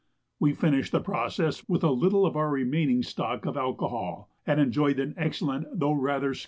We finished the process with a little of our remaining stock of alcohol, and enjoyed an excellent though rather scanty supper.